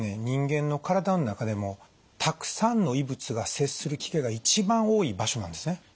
人間の体の中でもたくさんの異物が接する機会が一番多い場所なんですね。